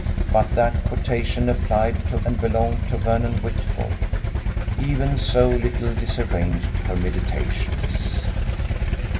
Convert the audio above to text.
But that quotation applied to and belonged to Vernon Whitford. Even so little disarranged her meditations.